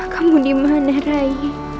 kamu dimana rai